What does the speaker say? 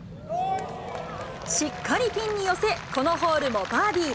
しっかりピンに寄せ、このホールもバーディー。